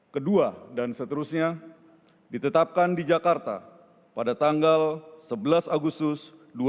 kedua dan seterusnya ditetapkan di jakarta pada tanggal sebelas agustus dua ribu dua puluh